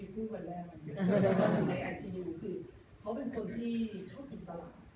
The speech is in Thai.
คือเขาเป็นคนที่ชอบอิสระ